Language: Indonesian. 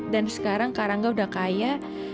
dan sekarang kak rangga udah kaya